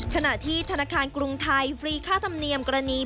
ขณะที่ธนาคารกรุงไทยฟรีค่าธรรมเนียมกรณี